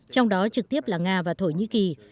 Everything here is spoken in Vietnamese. trong đó trực tiếp là nga và thổ nhĩ kỳ